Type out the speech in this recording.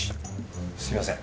すみません。